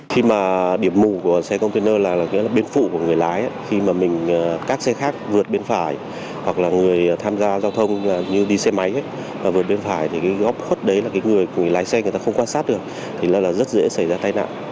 khi mà điểm mù của xe container là bên phụ của người lái khi mà mình các xe khác vượt bên phải hoặc là người tham gia giao thông như đi xe máy và vượt bên phải thì cái góc khuất đấy là cái người lái xe người ta không quan sát được thì là rất dễ xảy ra tai nạn